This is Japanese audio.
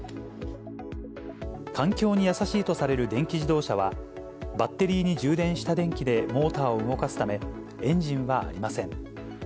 環境に優しいとされる電気自動車は、バッテリーに充電した電気でモーターを動かすため、エンジンはありません。